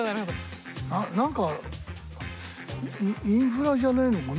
何かインフラじゃねえのかな。